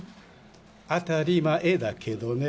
当たり前だけどね。